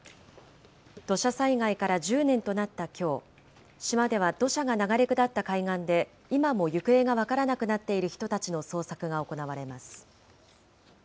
土砂災害から１０年となったきょう、島では土砂が流れ下った海岸で、今も行方が分からなくなっている人たちの捜索が行われます。